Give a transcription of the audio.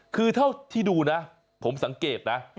คือเท่าที่ดูนะผมสังเกตนะ